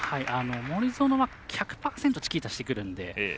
森薗は１００％チキータしてくるので。